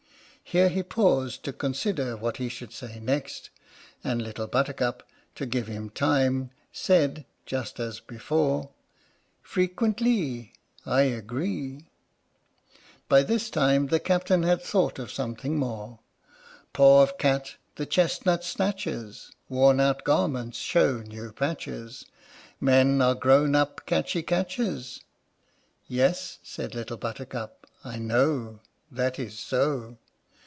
Here he paused to consider what he should say next, and Little Buttercup (to give him time) said, just as before: Frequentlee, I agree. By this time the Captain had thought of something more: 87 H.M.S. "PINAFORE" Paw of cat the chestnut snatches; Worn out garments show new patches ; Men are grown up " catchy catches." Yes (said Little Buttercup) I know That is so.